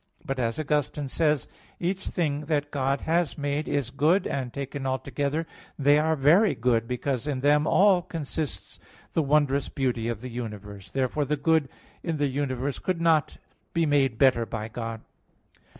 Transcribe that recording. But as Augustine says (Enchiridion 10), "each thing that God has made is good, and, taken all together they are very good; because in them all consists the wondrous beauty of the universe." Therefore the good in the universe could not be made better by God.